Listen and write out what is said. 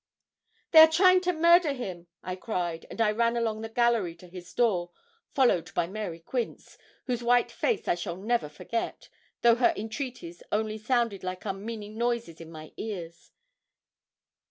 'They are trying to murder him!' I cried, and I ran along the gallery to his door, followed by Mary Quince, whose white face I shall never forget, though her entreaties only sounded like unmeaning noises in my ears.